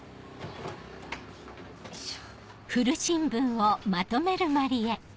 よいしょ。